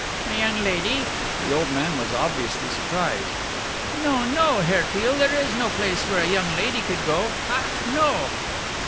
"A young lady?" The old man was obviously surprised. "No, no, Herr Peale, there is no place where a young lady could go. Ach! No!"